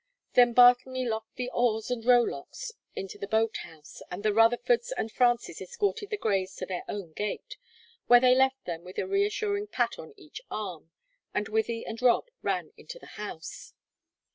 Then Bartlemy locked the oars and rowlocks into the boat house and the Rutherfords and Frances escorted the Greys to their own gate, where they left them with a reassuring pat on each arm, and Wythie and Rob ran into the house.